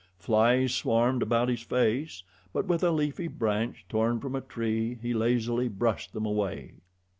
Flies swarmed about his face; but with a leafy branch torn from a tree he lazily brushed them away.